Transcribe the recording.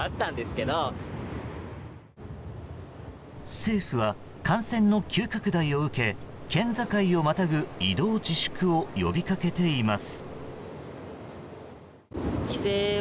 政府は感染の急拡大を受け県境をまたぐ移動自粛を呼びかけています。